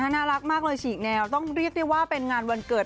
น่ารักมากเลยฉีกแนวต้องเรียกได้ว่าเป็นงานวันเกิด